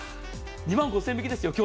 ２万５０００円引きですよ。